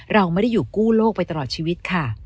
เราไม่ได้อยู่กู้โลกไปตลอดชีวิตค่ะ